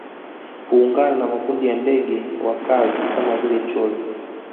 Huungana na makundi ya ndege wakazi kama vile chole